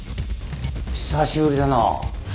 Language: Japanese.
久しぶりだな。